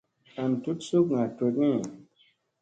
An tut sukŋa tut ni.